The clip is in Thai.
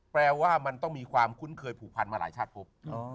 แปลว่ามันต้องมีความคุ้นเคยผูกพันมาหลายชาติพบ